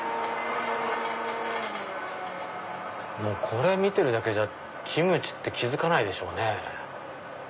これ見てるだけじゃキムチって気付かないでしょうね。